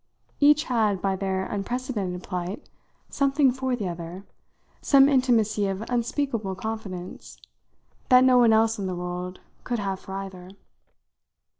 Each had, by their unprecedented plight, something for the other, some intimacy of unspeakable confidence, that no one else in the world could have for either.